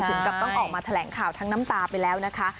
ถึงกับต้องออกมาแถลงข่าวทั้งน้ำตาไปแล้วนะคะ